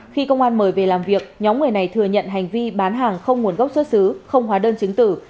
khi công an mời về làm việc nhóm người này thừa nhận hành vi bán hàng không nguồn gốc xuất xứ không hóa đơn chứng tử